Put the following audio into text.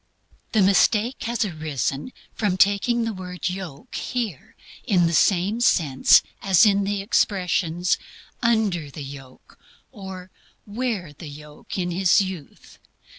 The mistake has arisen from taking the word "yoke" here in the same sense as in the expressions "under the yoke," or "wear the yoke in his youth."